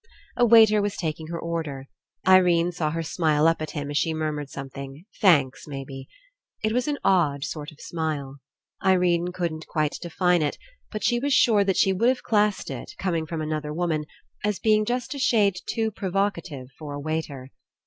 A waiter was taking her order. Irene saw her smile up at him as she murmured some thing — thanks, maybe. It was an odd sort of smile. Irene couldn't quite define it, but she was sure that she would have classed It, com ing from another woman, as being just a shade too provocative for a waiter.